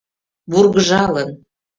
вургыжалын.